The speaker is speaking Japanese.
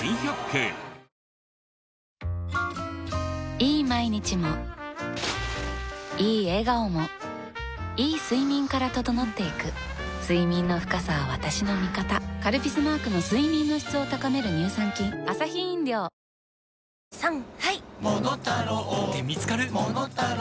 いい毎日もいい笑顔もいい睡眠から整っていく睡眠の深さは私の味方「カルピス」マークの睡眠の質を高める乳酸菌鈴木さーん！